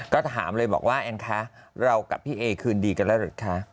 ก็ถามเลยบอกว่าแอนคะเรากับพี่เอคืนดีกันแล้วหรือคะ